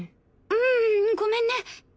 ううんごめんね。